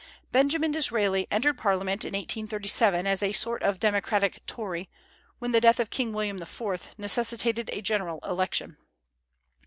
Benjamin Disraeli entered Parliament in 1837, as a sort of democratic Tory, when the death of King William IV. necessitated a general election.